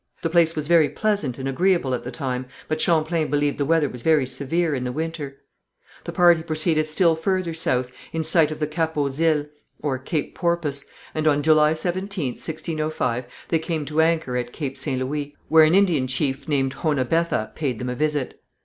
The place was very pleasant and agreeable at the time, but Champlain believed the weather was very severe in the winter. The party proceeded still further south, in sight of the Cap aux Iles (Cape Porpoise), and on July 17th, 1605, they came to anchor at Cape St. Louis, where an Indian chief named Honabetha paid them a visit.